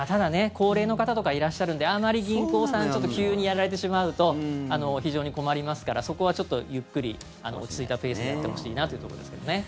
高齢の方とかいらっしゃるのであまり銀行さん急にやられてしまうと非常に困りますから、そこはゆっくり落ち着いたペースでやってほしいなというところですけどね。